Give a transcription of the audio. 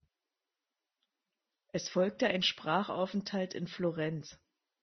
Es folgte ein Sprachaufenthalt in Florenz.